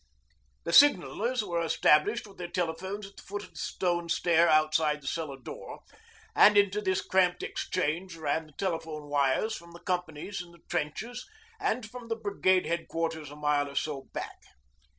The signallers were established with their telephones at the foot of the stone stair outside the cellar door, and into this cramped 'exchange' ran the telephone wires from the companies in the trenches and from the Brigade Headquarters a mile or two back.